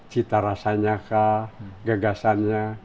cita rasanya kah gagasannya